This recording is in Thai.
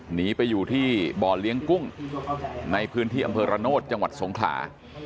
หนีไปอยู่ที่บ่อเลี้ยงกุ้งในพื้นที่อำเภอระโนธจังหวัดสงขลา